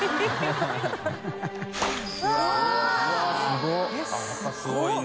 すごい！